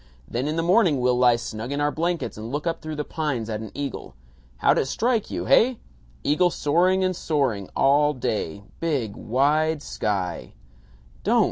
Then in the morning we'll lie snug in our blankets and look up through the pines at an eagle. How'd it strike you? Heh? Eagle soaring and soaring all day big wide sky " "Don't!